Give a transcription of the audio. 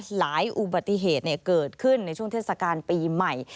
อุบัติเหตุเกิดขึ้นในช่วงเทศกาลปีใหม่